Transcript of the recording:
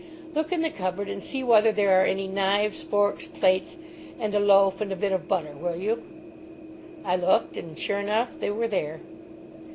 "Look in the cupboard and see whether there are any knives, forks, plates, and a loaf and a bit of butter, will you?" I looked, and, sure enough, they were there.